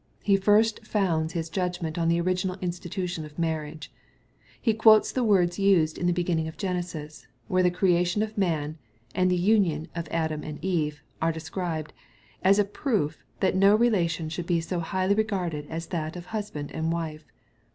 He first founds His judgment on the original institution of marriage. He quotes the words used in the beginning of Genesis, where the creation of man, and the union of Adam and Eve, are described, as a proof that no relation should be so highly regarded as that of husband and wife.